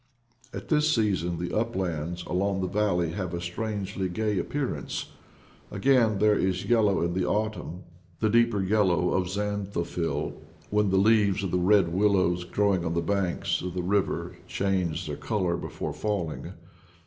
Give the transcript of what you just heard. At this season the uplands along the valley have a strangely gay ap pearance. Again, there is yellow in the autumn — the deeper yellow of xanthophyl — when the leaves of the red willows growing on the banks of the river change their color before falling.